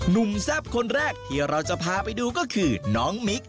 แซ่บคนแรกที่เราจะพาไปดูก็คือน้องมิค